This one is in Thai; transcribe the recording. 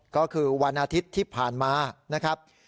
ก็คือวันอาทิตย์ที่ผ่านมานะครับ